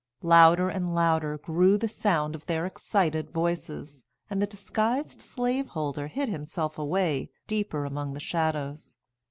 Louder and louder grew the sound of their excited voices, and the disguised slaveholder hid himself away deeper among the shadows.